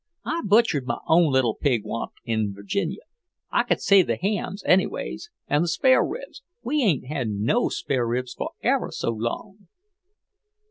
I butchered my own little pig onct, in Virginia. I could save the hams, anyways, and the spare ribs. We ain't had no spare ribs for ever so long."